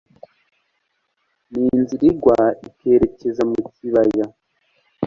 n'inzira igwa ikerekeza mu kibaya